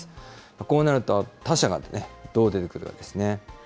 こうなると、他社がどう出てくるかですね。